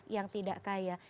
yang tidak kaya